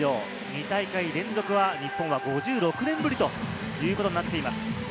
２大会連続は日本は５６年ぶりということになっています。